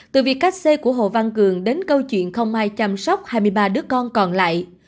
từ việc cách cê của hồ văn cường đến câu chuyện không mai chăm sóc hai mươi ba đứa con còn lại